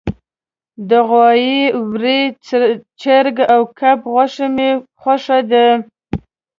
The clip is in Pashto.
د غوایی، وری، چرګ او کب غوښه می خوښه ده